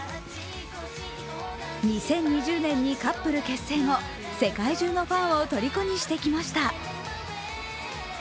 ２０２０年にカップル結成後、世界中のファンをとりこにしてきました。